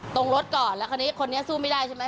ตรงรถก่อนแล้วคราวนี้คนนี้สู้ไม่ได้ใช่ไหม